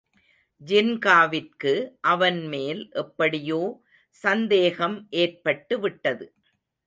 ஜின்காவிற்கு அவன்மேல் எப்படியோ சந்தேகம் ஏற்பட்டு விட்டது.